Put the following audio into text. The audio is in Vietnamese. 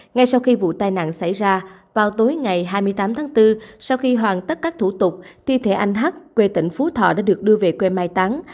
ngay sau khi vụ tai nạn xảy ra vào tối ngày hai mươi tám tháng bốn sau khi hoàn tất các thủ tục thi thể anh hát quê tỉnh phú thọ đã được đưa về quê mai táng